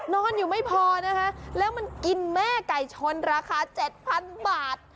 นอนอยู่ไม่พอนะคะแล้วมันกินแม่ไก่ชนราคา๗๐๐บาท